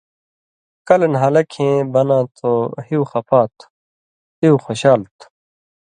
کلہۡ نھالہ کھیں بناں تھو ”ہیُو خپا تُھو“،”ہیُو خوشال تُھو“،